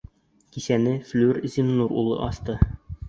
Кисәне Флүр Зиннур улы асты.